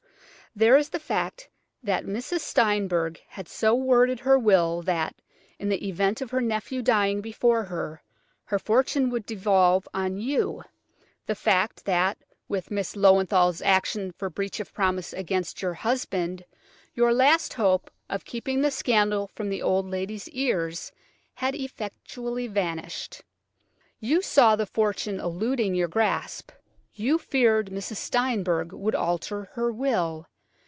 There is the fact that Mrs. Steinberg had so worded her will that, in the event of her nephew dying before her, her fortune would devolve on you; the fact that, with Miss Löwenthal's action for breach of promise against your husband, your last hope of keeping the scandal from the old lady's ears had effectually vanished. You saw the fortune eluding your grasp; you feared Mrs. Steinberg would alter her will.